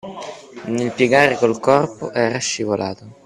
Nel piegare col corpo era scivolato.